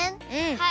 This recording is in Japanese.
はい。